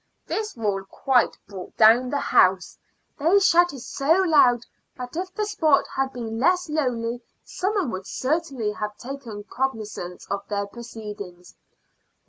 This rule quite "brought down the house." They shouted so loud that if the spot had been less lonely some one would certainly have taken cognizance of their proceedings.